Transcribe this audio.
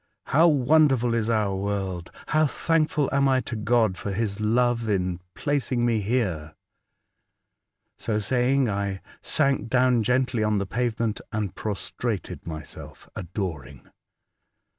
"How wonderful is our world; how thankful am I to God for his love in placing me here !" So saying, I sank down gently on the pavement, and prostrated myself, adoring.